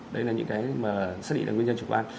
đây là những cái mà xác định là nguyên nhân chủ quan